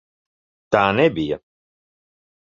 Tā nebija!